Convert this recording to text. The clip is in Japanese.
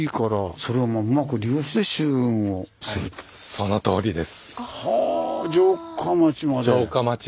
そのとおりです。